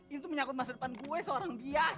ini tuh menyakut masa depan gue seorang bias